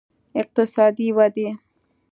اقتصادي ودې